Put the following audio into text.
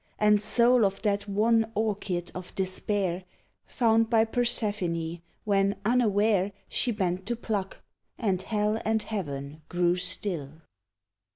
And soul of that wan orchid of despair Found by Persephone, when, unaware, She bent to pluck, and hell and heaven grew still.